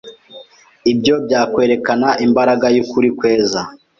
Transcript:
ibyo byakwerekana imbaraga y’ukuri kweza,